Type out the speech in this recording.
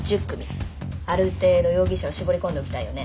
ある程度容疑者を絞り込んでおきたいよね。